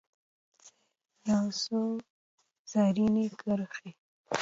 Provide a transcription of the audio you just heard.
یو څو رزیني کرښې